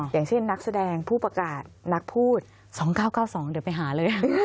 อย่างเช่นนักแสดงผู้ประกาศนักพูด๒๙๙๒เดี๋ยวไปหาเลย